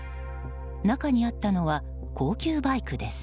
中にあったのは高級バイクです。